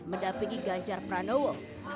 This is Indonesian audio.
mendampingi ganjar pranowo